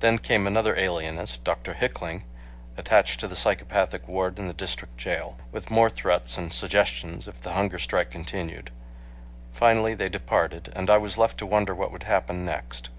Then came another alienist , Dr. Hickling, attached to the psychopathic ward in the District Jail, with more threats and suggestions, if the hunger strike continued. Finally they departed, and I was left to wonder what would happen next.